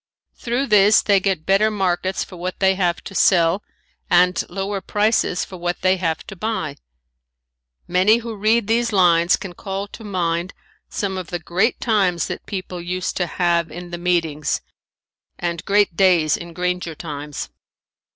Through this they get better markets for what they have to sell and lower prices for what they have to buy. Many who read these lines can call to mind some of the great times that people used to have in the meetings and great days in granger times.